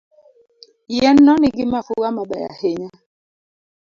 Yien no nigi mafua mabeyo ahinya.